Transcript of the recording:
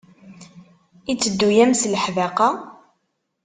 Yetteddu-am s leḥdaqa?